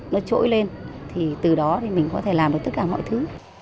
nó trỗi lên thì từ đó thì mình có thể làm được tất cả mọi thứ